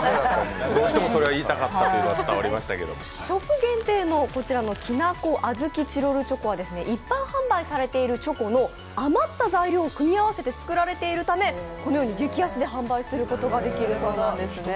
ショップ限定のこちらのきなこ小豆チロルチョコは、一般販売されているチョコの余った材料を組み合わせて作られているためこのように激安で販売することができるんです。